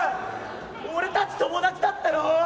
俺たち友達だったろ？